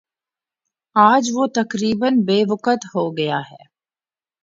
آج وہ تقریبا بے وقعت ہو گیا ہے